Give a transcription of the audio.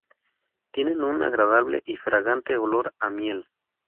Tienen un agradable y fragante olor a miel.